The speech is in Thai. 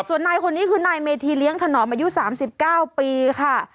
ส่วนนายคนนี้คือนายเมธีเลี้ยงถนอมอายุ๓๙ปีค่ะ